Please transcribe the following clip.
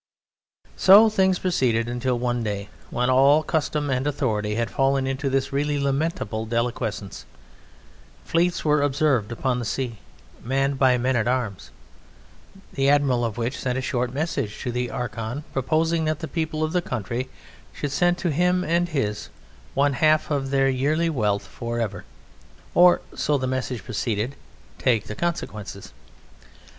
So things proceeded until one day, when all custom and authority had fallen into this really lamentable deliquescence, fleets were observed upon the sea, manned by men at arms, the admiral of which sent a short message to the Archon proposing that the people of the country should send to him and his one half of their yearly wealth for ever, "or," so the message proceeded, "take the consequences."